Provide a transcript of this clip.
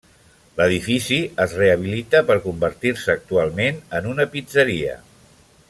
L’edifici es rehabilita per convertir-se actualment en una pizzeria.